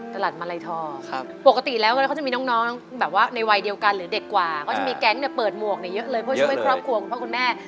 ตลาดมาลัยทองปกติแล้วเขาจะมีน้องในวัยเดียวกันหรือเด็กกว่าเขาจะมีแก๊งเปิดหมวกเยอะเลยเพื่อช่วยครอบครัวของพ่อคุณแม่